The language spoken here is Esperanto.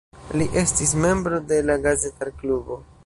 Li estis membro de la Gazetar-klubo.